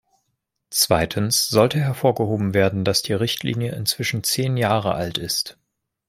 Zweitens sollte hervorgehoben werden, dass die Richtlinie inzwischen zehn Jahre alt ist.